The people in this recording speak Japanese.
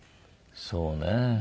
そうね。